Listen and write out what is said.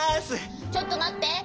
ちょっとまって。